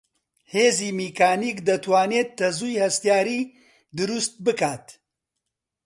هێزی میکانیک دەتوانێت تەزووی هەستیاری دروست بکات